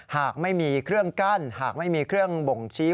หากไม่มีเครื่องกั้นหากไม่มีเครื่องบ่งชี้